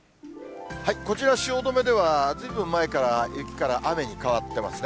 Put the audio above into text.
こちら、汐留ではずいぶん前から雪から雨に変わってますね。